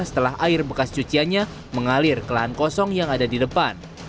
setelah air bekas cuciannya mengalir ke lahan kosong yang ada di depan